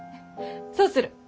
そうする。